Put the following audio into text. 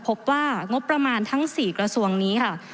พบว่างบประมาณทั้ง๔กระทรวงนี้ค่ะ